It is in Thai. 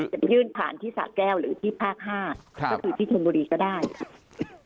ไปยื่นผ่านที่สะแก้วหรือที่ภาค๕ก็คือที่ชนบุรีก็ได้ครับ